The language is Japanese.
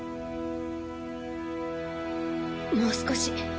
もう少し。